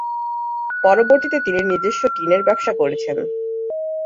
পরবর্তীতে তিনি নিজস্ব টিনের ব্যবসা করেছেন।